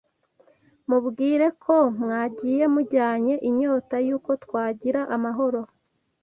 Mubwire ko mwagiye mujyanye inyota y'uko twagira amahoro